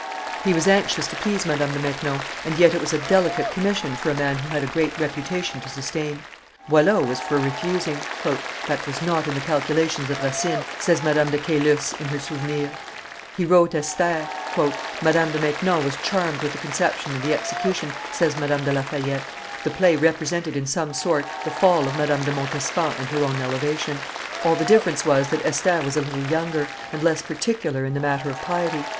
He was anxious to please Madame de Maintenon, and yet it was a delicate commission for a man who had a great reputation to sustain. Boileau was for refusing. "That was not in the calculations of Racine," says Madame de Caylus in her Souvenirs. He wrote Esther. "Madame de Maintenon was charmed with the conception and the execution," says Madame de La Fayette; "the play represented in some sort the fall of Madame de Montespan and her own elevation; all the difference was that Esther was a little younger, and less particular in the matter of piety.